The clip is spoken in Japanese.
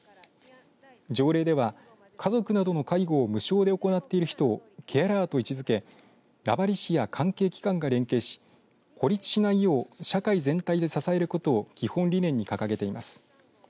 条例では家族などの介護を無償で行っている人をケアラーと位置づけ名張市や関係機関が連携し孤立しないよう、社会全体で支えることを基本理念に掲げています。